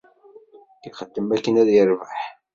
Ixdem akken ara yerbeḥ.